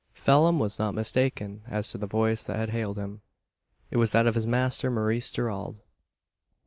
Phelim was not mistaken as to the voice that had hailed him. It was that of his master, Maurice Gerald.